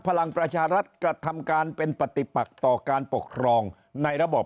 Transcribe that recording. พลังประชารัฐกระทำการเป็นปฏิปักต่อการปกครองในระบบ